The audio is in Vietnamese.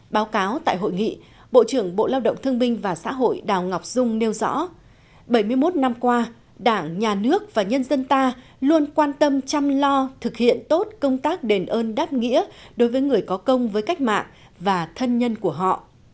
báo cáo tại hội nghị bộ trưởng bộ lao động thương binh và xã hội đào ngọc dung nêu rõ bảy mươi một năm qua đảng nhà nước và nhân dân ta luôn quan tâm chăm lo thực hiện tốt công tác đền ơn đáp nghĩa đối với người có công với cách mạng và thân nhân của họ